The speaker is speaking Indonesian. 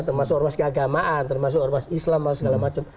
termasuk ormas keagamaan termasuk ormas islam dan segala macam